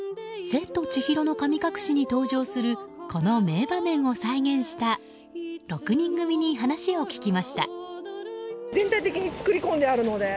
「千と千尋の神隠し」に登場するこの名場面を再現した６人組に話を聞きました。